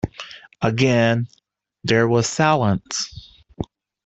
Again there was silence;